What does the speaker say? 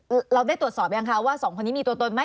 เราได้ตรวจสอบยังคะว่าสองคนนี้มีตัวตนไหม